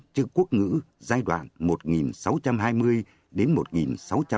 trước quốc ngữ giai đoạn một nghìn sáu trăm hai mươi đến một nghìn sáu trăm năm mươi chín